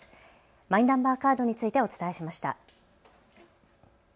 マイナンバーカードについてお伝えしました。